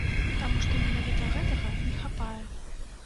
Таму што менавіта гэтага не хапае.